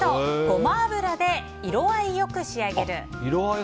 ゴマ油で色あいよく仕上げる。